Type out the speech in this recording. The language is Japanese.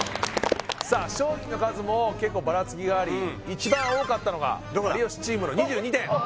さあ商品の数も結構バラつきがあり一番多かったのが有吉チームの２２点ああ